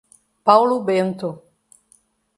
Paulo Bento